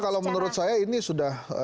kalau menurut saya ini sudah